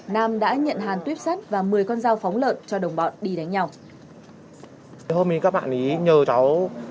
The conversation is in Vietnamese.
nam đã nhận hàn tuyếp sắt và một mươi con dao phóng lợn cho đồng bọn đi đánh nhau